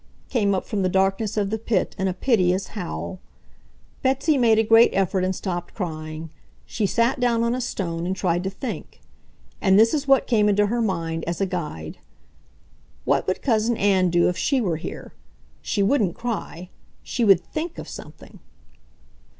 came up from the darkness of the pit in a piteous howl. Betsy made a great effort and stopped crying. She sat down on a stone and tried to think. And this is what came into her mind as a guide: "What would Cousin Ann do if she were here? She wouldn't cry. She would THINK of something."